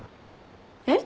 えっ？